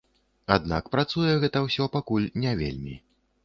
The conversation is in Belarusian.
Аднак працуе гэта ўсё пакуль не вельмі.